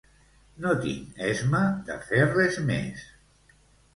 No tinc esma de fer res més